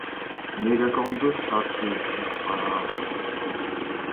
Мегакомду сатуу үчүн пара алуу